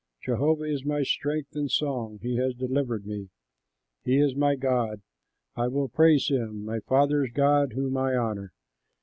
Jehovah is my strength and song, he has delivered me; He is my God, I will praise him; my father's God whom I honor."